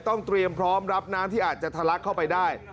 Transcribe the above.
ต้องเตรียมพร้อมรับน้ำที่อาจจะทะลักเข้าไปได้